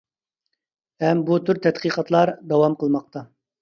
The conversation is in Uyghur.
ھەم بۇ تۈر تەتقىقاتلار داۋام قىلماقتا.